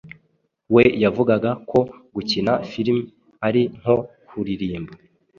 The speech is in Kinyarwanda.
We yavugaga ko gukina film ari nko kuririmba